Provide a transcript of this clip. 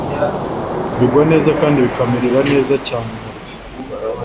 bigwa neza kandi bikamerera neza cyane umubiri,